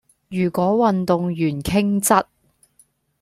如果運動員傾側